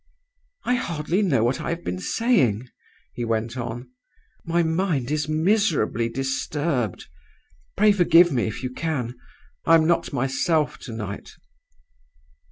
'I hardly know what I have been saying,' he went on; 'my mind is miserably disturbed. Pray forgive me, if you can; I am not myself to night.